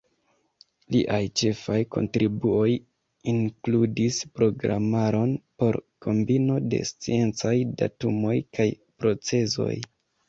Liaj ĉefaj kontribuoj inkludis programaron por kombino de sciencaj datumoj kaj procezoj.